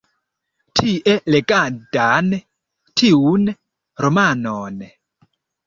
Tie legadan tiun romanon.